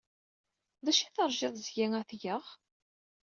D acu ay teṛjiḍ seg-i ad t-geɣ?